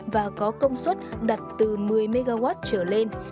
và có công suất đặt từ một mươi mw trở lên